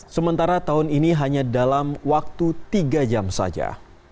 sementara tahun ini hanya dalam waktu tiga jam saja